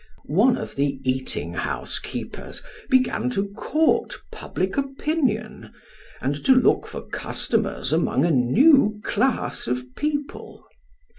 One of tho eating house keepers began to court public opinion, and to look for customers among a new class of people.